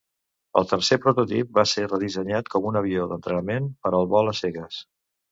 El tercer prototip va ser redissenyat com un avió d'entrenament per al vol a cegues.